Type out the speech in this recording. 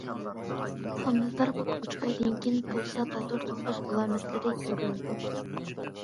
ھامىلىدار بولۇپ ئۈچ ئايدىن كېيىن بولسا، بالدۇر تۇغۇلۇش ئالامەتلىرى كۆرۈلىدۇ.